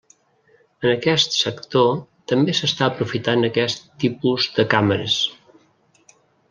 En aquest sector també s'està aprofitant aquest tipus de càmeres.